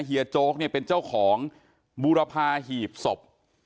เฮียโจ๊กเป็นเจ้าของบุรพาหีบศพ